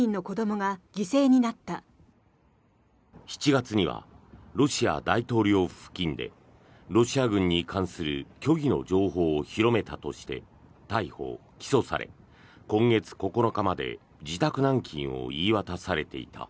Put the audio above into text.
７月にはロシア大統領府付近でロシア軍に関する虚偽の情報を広めたとして逮捕・起訴され、今月９日まで自宅軟禁を言い渡されていた。